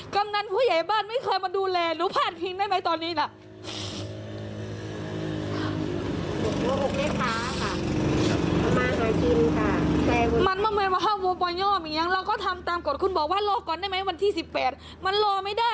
กำนันผู้ใหญ่บ้านไม่เคยมาดูแลรู้พาดพิงได้ไหมตอนนี้ล่ะ